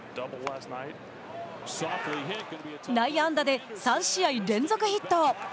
内野安打で３試合連続ヒット。